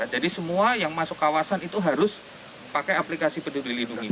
jadi semua yang masuk kawasan itu harus pakai aplikasi peduli lindungi